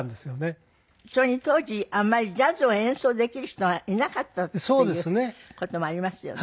それに当時あんまりジャズを演奏できる人がいなかったっていう事もありますよね。